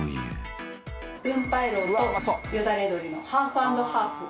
雲白肉とよだれ鶏のハーフ＆ハーフ。